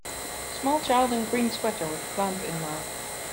Small child in green sweater with plant in mouth.